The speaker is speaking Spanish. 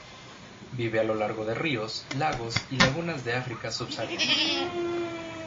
Vive a lo largo de ríos, lagos y lagunas de África subsahariana.